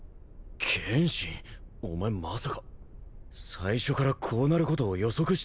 剣心お前まさか最初からこうなることを予測してこの頼まれ事を？